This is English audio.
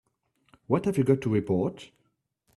What have you got to report?